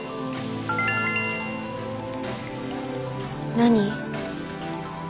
何？